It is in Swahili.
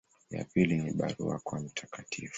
Ya pili ni barua kwa Mt.